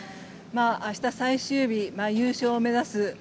明日、最終日優勝を目指す。